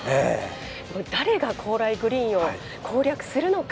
誰が高麗グリーンを攻略するのか。